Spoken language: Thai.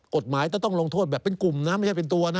กฎหมายต้องลงโทษแบบเป็นกลุ่มนะไม่ใช่เป็นตัวนะ